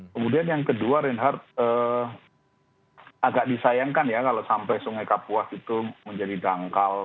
kemudian yang kedua reinhardt agak disayangkan ya kalau sampai sungai kapuas itu menjadi dangkal